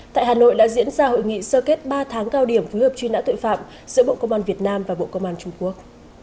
tại hà nội đã diễn ra hội nghị sơ kết ba tháng cao điểm phối hợp truy nã tội phạm giữa bộ công an việt nam và bộ công an trung quốc